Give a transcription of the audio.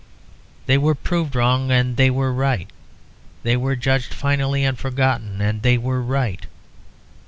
They were proved wrong, and they were right. They were judged finally and forgotten, and they were right.